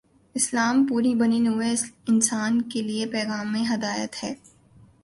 اسلام پوری بنی نوع انسان کے لیے پیغام ہدایت ہے۔